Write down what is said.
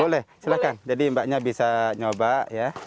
boleh silahkan jadi mbaknya bisa nyoba ya